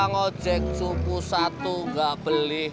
bang ojek suku satu nggak beli